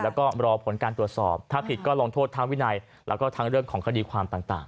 แล้วก็รอผลการตรวจสอบถ้าผิดก็ลงโทษทางวินัยแล้วก็ทั้งเรื่องของคดีความต่าง